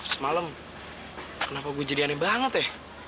semalam kenapa gue jadi aneh banget ya